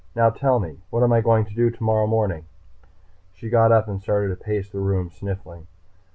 "Now tell me, what am I going to do tomorrow morning?" She got up and started to pace the room, sniffling.